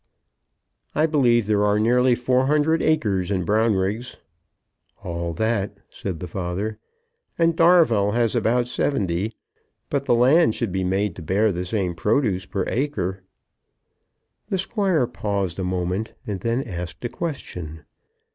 I believe there are nearly four hundred acres in Brownriggs." "All that," said the father. "And Darvell has about seventy; but the land should be made to bear the same produce per acre." The Squire paused a moment, and then asked a question.